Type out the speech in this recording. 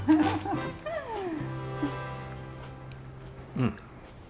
うん！